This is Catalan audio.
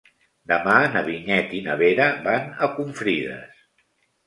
Demà na Vinyet i na Vera van a Confrides.